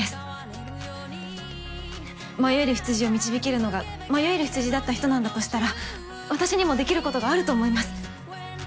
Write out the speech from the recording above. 「ＬｉｖｉｎｇＭｙＬｉｆｅ」迷える羊を導けるのが迷える羊だった人なんだとしたら私にもできることがあると思います。